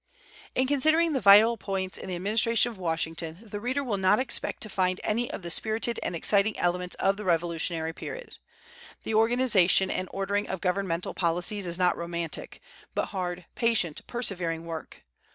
In considering the vital points in the administration of Washington the reader will not expect to find any of the spirited and exciting elements of the Revolutionary period. The organization and ordering of governmental policies is not romantic, but hard, patient, persevering work.